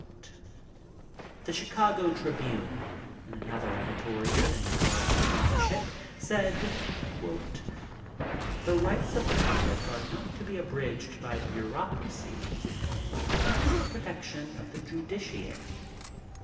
'^ Digitized by VjOOQIC The Chicago Tribune, in another editorial in regard to censorship, said: 'The rights of the public are not to be abridged by bureaucracy, but are under the protection of the judiciary.